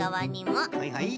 はいはい。